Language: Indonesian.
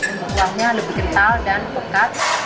untuk kuahnya lebih kental dan pekat